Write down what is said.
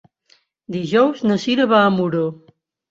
Dijous na Cira va a Muro.